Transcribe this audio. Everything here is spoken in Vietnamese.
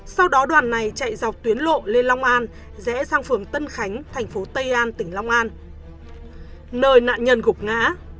sau đó đoàn này chạy dọc tuyến lộ lê long an rẽ sang phường tân khánh thành phố tây an tỉnh long an nơi nạn nhân gục ngã